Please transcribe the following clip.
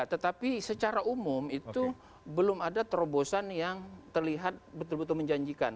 tetapi secara umum itu belum ada terobosan yang terlihat betul betul menjanjikan